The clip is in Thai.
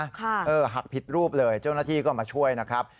หักเออหักผิดรูปเลยเจ้าหน้าที่ก็มาช่วยนะครับ